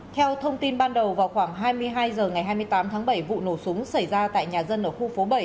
theo thông tin ban đầu vào khoảng hai mươi hai h ngày hai mươi tám tháng bảy vụ nổ súng xảy ra tại nhà dân ở khu phố bảy